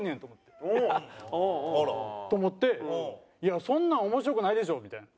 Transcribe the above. あら。と思って「いやそんなん面白くないでしょ」みたいな。